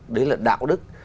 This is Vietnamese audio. đấy là đạo đức